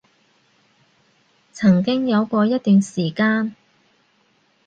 曾經有過一段時間